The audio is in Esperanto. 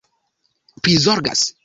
prizorgas